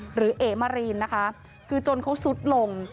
หรือเอมรีนนะคะคือจนเขาสุดหลง